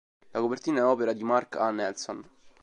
La copertina è opera di Mark A. Nelson.